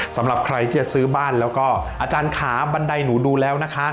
สำหรับใครที่จะซื้อบ้านแล้วก็อาจารย์ขาบันไดหนูดูแล้วนะคะ